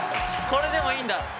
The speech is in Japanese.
これでもいいんだ。